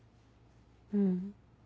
うん。